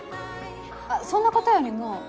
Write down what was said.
あっそんなことよりも。